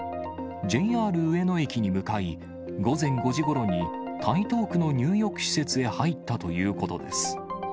ＪＲ上野駅に向かい、午前５時ごろに台東区の入浴施設へ入ったということです。